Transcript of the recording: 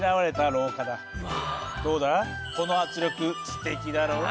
どうだこの圧力すてきだろう？